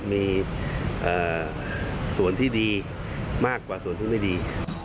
มีส่วนที่ดีมากกว่าส่วนที่ไม่ดี